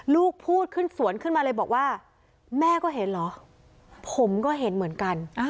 ลูกพูดขึ้นสวนขึ้นมาเลยบอกว่าแม่ก็เห็นเหรอผมก็เห็นเหมือนกัน